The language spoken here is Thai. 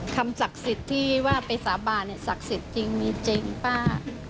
ศักดิ์สิทธิ์ที่ว่าไปสาบานศักดิ์สิทธิ์จริงมีจริงป้า